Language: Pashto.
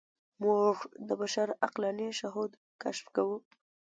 موږ د بشر عقلاني شهود کشف کوو.